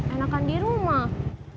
enakan di rumah